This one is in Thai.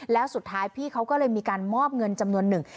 แล้วสุดท้ายพี่เขาก็เลยมีการมอบเงินจำนวนหนึ่ง